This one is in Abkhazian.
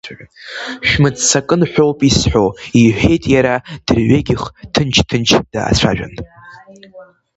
Шәмыццакын ҳәоуп исҳәо, – иҳәеит иара дырҩегьых ҭынч-ҭынч даацәажәан.